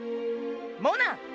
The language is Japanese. もな！